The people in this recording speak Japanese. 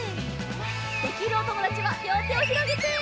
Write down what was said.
できるおともだちはりょうてをひろげて！